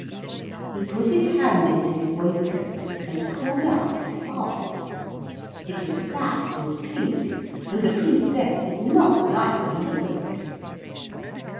He put his hand into his waistcoat and pulled out his heart. It was fat and pink, and the Princess did not like the look of it.